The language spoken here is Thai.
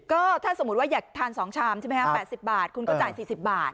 ก็ถ้าสมมุติว่าอยากทาน๒ชามใช่ไหมครับ๘๐บาทคุณก็จ่าย๔๐บาท